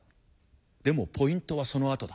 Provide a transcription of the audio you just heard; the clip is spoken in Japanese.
でもポイントはそのあとだ。